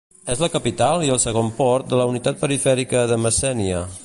És la capital i el segon port de la unitat perifèrica de Messènia.